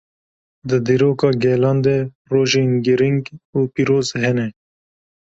Di dîroka gelan de rojên giring û pîroz hene.